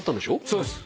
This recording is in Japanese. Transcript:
そうです。